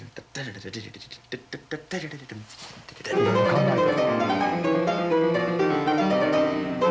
考えた。